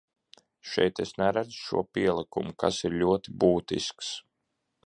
Šeit es neredzu šo pielikumu, kas ir ļoti būtisks.